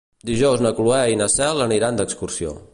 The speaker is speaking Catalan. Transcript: Dijous na Cloè i na Cel aniran d'excursió.